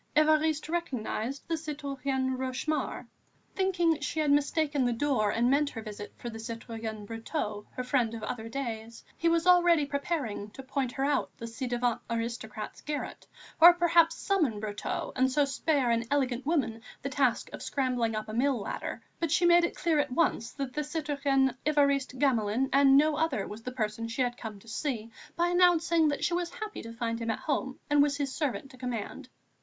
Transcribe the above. Évariste recognised the citoyenne Rochemaure. Thinking she had mistaken the door and meant her visit for the citoyen Brotteaux, her friend of other days, he was already preparing to point her out the ci devant aristocrat's garret or perhaps summon Brotteaux and so spare an elegant woman the task of scrambling up a mill ladder; but she made it clear at once that the citoyen Évariste Gamelin and no other was the person she had come to see by announcing that she was happy to find him at home and was his servant to command.